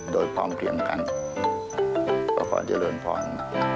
โดยพร้อมเพลี่ยงกันพระควรเจริญพร